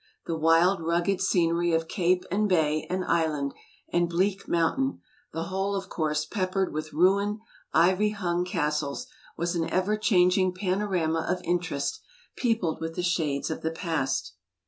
The wild, rugged scen ery of cape and bay and island and bleak mountain the whole of course, peppered with ruined, ivy hung casdes was an ever changing panorama of interest, peopled with the shades of the past.